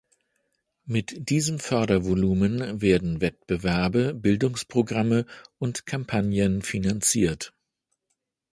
Mit diesem Fördervolumen werden Wettbewerbe, Bildungsprogramme und Kampagnen finanziert.